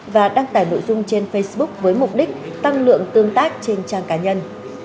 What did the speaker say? và đăng tải nội dung trên facebook với mục đích tăng lượng tương tác trên trang cá nhân